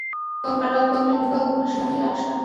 আর আগামীকাল মানেই আশা।